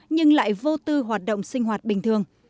nhưng lại vô tư hoạt động sinh hoạt bình thường